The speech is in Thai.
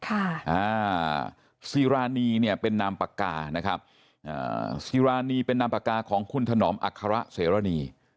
อ่าซีรานีเนี่ยเป็นนามปากกานะครับอ่าซีรานีเป็นนามปากกาของคุณถนอมอัคระเสรณี